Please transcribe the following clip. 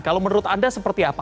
kalau menurut anda seperti apa